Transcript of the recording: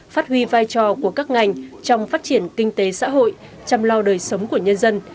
phát huy vai trò của các ngành trong phát triển kinh tế xã hội chăm lau đời sống của nhân dân